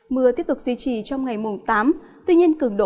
mưa tiếp tục duy trì trong ngày mùng tám